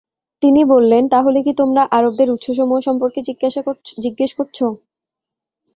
তিনি বললেন, তা হলে কি তোমরা আরবদের উৎসসমূহ সম্পর্কে জিজ্ঞেস করছ?